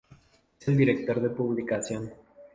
Es el director de publicación.